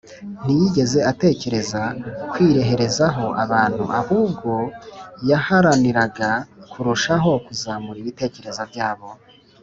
Ntiyigeze atekereza kwireherezaho abantu, ahubwo yaharaniraga kurushaho kuzamura ibitekerezo byabo